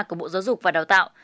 của bộ giáo dục và đào tạo